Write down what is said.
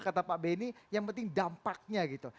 kata pak benny yang penting dampaknya gitu